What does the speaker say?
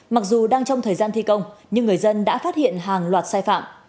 mặc dù đang trong thời gian thi công nhưng người dân đã phát hiện hàng loạt sai phạm